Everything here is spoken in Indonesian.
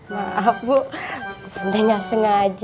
maaf bu dengan sengaja